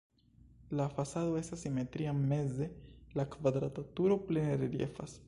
La fasado estas simetria, meze la kvadrata turo plene reliefas.